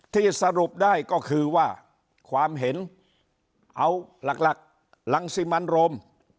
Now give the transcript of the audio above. ที่สรุปได้ก็คือว่าความเห็นเอาหลักรังสิมันโรม